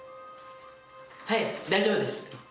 はい大丈夫です。